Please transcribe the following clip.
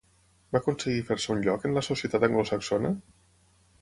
Va aconseguir fer-se un lloc en la societat anglosaxona?